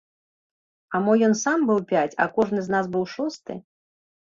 А мо ён сам быў пяць, а кожны з нас быў шосты.